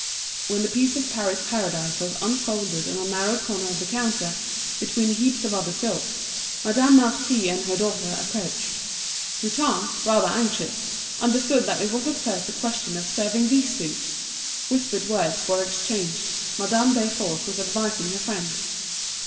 When the piece of Paris Paradise was unfolded on a narrow corner of the counter, between heaps of other silks, Madame Marty and her daughter approached. Hutin, rather anxious, understood that it was at first a question of serving these two. Whispered words were exchanged, Madame Desforges was advising her friend.